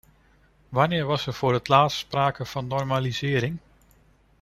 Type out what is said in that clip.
Wanneer was er voor het laatst sprake van normalisering?